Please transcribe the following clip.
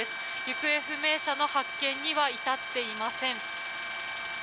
行方不明者の発見には至っていません。